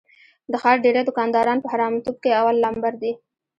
د ښار ډېری دوکانداران په حرامتوب کې اول لمبر دي.